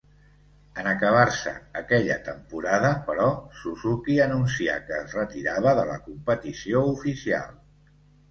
En acabar-se aquella temporada, però, Suzuki anuncià que es retirava de la competició oficial.